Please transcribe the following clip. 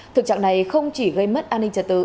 thực trạng này không chỉ gây mất an ninh trật tự